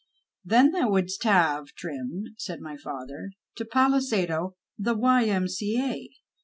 " Then thou wouldst have, Trim," said my father, " to palisado the Y.M.C.A."